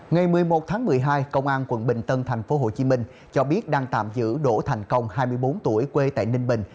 ngày một mươi một tháng một mươi hai công an quận bình tân tp hcm cho biết đang tạm giữ đỗ thành công hai mươi bốn tuổi quê tại ninh bình